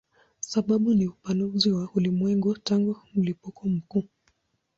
Sababu ni upanuzi wa ulimwengu tangu mlipuko mkuu.